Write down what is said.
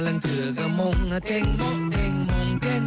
ถึงหล่อถึงน่ารักแถมยังเต้นเก่ง